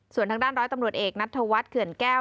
ส่วนทางด้านร้อยตำรวจเอกนัทธวัฒน์เขื่อนแก้ว